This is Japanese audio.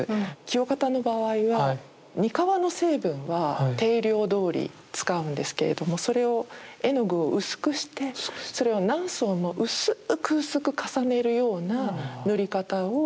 清方の場合は膠の成分は定量どおり使うんですけれどもそれを絵の具を薄くしてそれを何層も薄く薄く重ねるような塗り方をしていたようです。